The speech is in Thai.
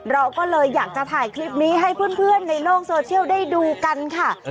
เราก็เลยอยากจะถ่ายคลิปนี้ให้เพื่อนในโลกโซเชียลได้ดูกันค่ะ